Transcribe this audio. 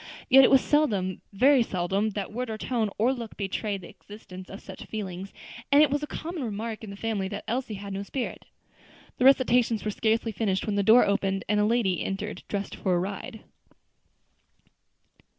Yet it was seldom, very seldom that word or tone or look betrayed the existence of such feelings; and it was a common remark in the family that Elsie had no spirit. The recitations were scarcely finished when the door opened and a lady entered dressed for a ride.